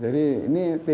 jadi ini satu eksekusi